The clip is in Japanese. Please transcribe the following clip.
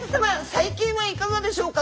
最近はいかがでしょうか？